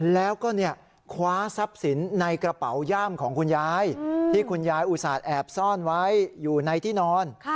แล้วก็คว้าทรัพย์สินในกระเป๋าย่ามของคุณยายที่คุณยายอุตส่าห์แอบซ่อนไว้อยู่ในที่นอน